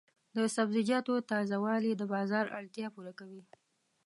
د سبزیجاتو تازه والي د بازار اړتیا پوره کوي.